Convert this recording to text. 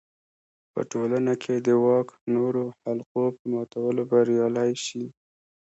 په ټولنه کې د واک نورو حلقو په ماتولو بریالی شي.